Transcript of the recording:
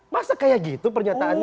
masa kayak gitu pernyataannya